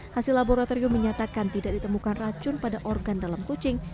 hasil laboratorium menyatakan tidak ditemukan racun pada organ dalam kucing